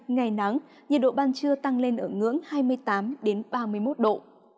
ngày nắng nhiệt độ ban trưa tăng lên ở ngưỡng hai mươi tám ba mươi một độ